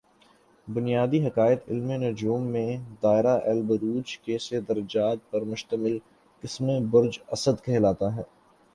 بنیادی حقائق علم نجوم میں دائرۃ البروج کے سے درجات پر مشمل قسم برج اسد کہلاتا ہے